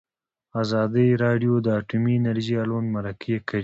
ازادي راډیو د اټومي انرژي اړوند مرکې کړي.